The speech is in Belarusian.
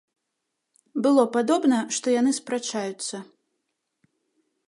Было падобна, што яны спрачаюцца.